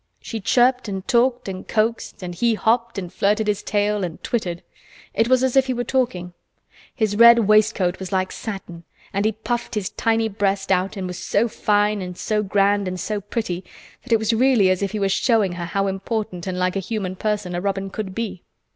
She chirped, and talked, and coaxed and he hopped, and flirted his tail and twittered. It was as if he were talking. His red waistcoat was like satin and he puffed his tiny breast out and was so fine and so grand and so pretty that it was really as if he were showing her how important and like a human person a robin could be.